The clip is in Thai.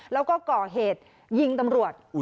แล้วก็ก่อเหตุยิงตำรวจ